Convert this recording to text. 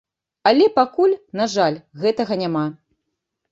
Але пакуль, на жаль, гэтага няма.